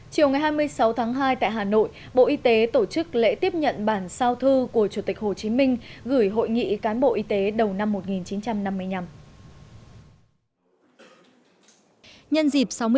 chiều ngày hai mươi sáu tháng hai tại hà nội bộ y tế tổ chức lễ tiếp nhận bản sao thư của chủ tịch hồ chí minh gửi hội nghị cán bộ y tế đầu năm một nghìn chín trăm năm mươi năm